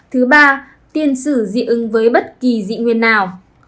thứ ba tiên sử dị ứng với bất kỳ dị nguyên nào